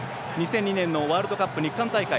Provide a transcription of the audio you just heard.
２００２年のワールドカップ日韓大会